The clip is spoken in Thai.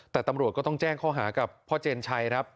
แต่ตำรวจก็ต้องแจ้งข้อหากับพ่อเจนชัยครับ